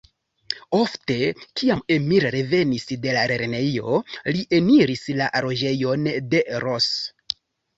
Ofte, kiam Emil revenis de la lernejo, li eniris la loĝejon de Ros.